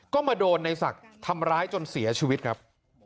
ก็มาโดนในศักดิ์ทำร้ายจนเสียชีวิตครับ